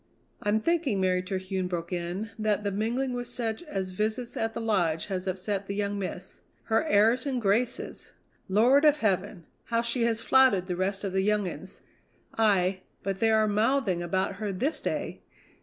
"I'm thinking," Mary Terhune broke in, "that the mingling with such as visits at the Lodge has upset the young miss. Her airs and graces! Lord of heaven! how she has flouted the rest of the young uns! Aye, but they are mouthing about her this day!